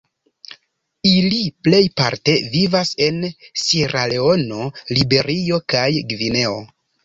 Ili plejparte vivas en Sieraleono, Liberio kaj Gvineo.